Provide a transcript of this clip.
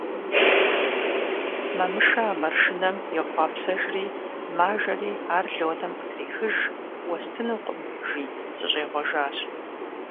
Мамышэ а маршынэм йохъуэпсэжри мажэри ар Лонэм къытрехыж: «Уэстынукъым, – жи, – сыщӀегъуэжащ».